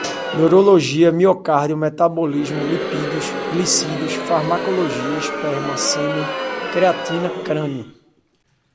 neurologia, miocárdio, metabolismo, lipídios, glicídios, farmacologia, esperma, sêmen, creatina, crânio